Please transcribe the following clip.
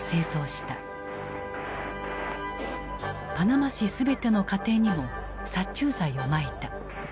パナマ市全ての家庭にも殺虫剤をまいた。